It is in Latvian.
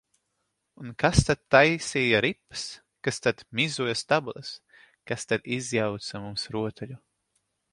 Un kas tad taisīja ripas, kas tad mizoja stabules, kas tad izjauca mums rotaļu?